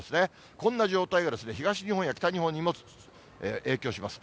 こんな状態が、東日本や北日本にも影響します。